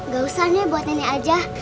gak usah nih buat nenek aja